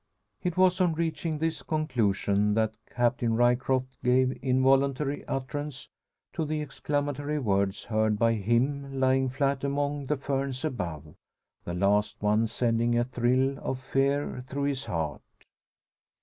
It was on reaching this conclusion that Captain Ryecroft gave involuntary utterance to the exclamatory words heard by him lying flat among the ferns above, the last one sending a thrill of fear through his heart.